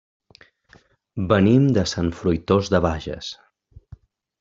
Venim de Sant Fruitós de Bages.